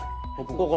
ここ。